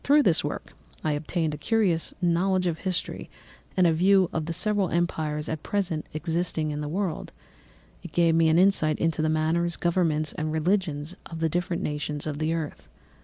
Through this work I obtained a cursory knowledge of history and a view of the several empires at present existing in the world; it gave me an insight into the manners, governments, and religions of the different nations of the earth.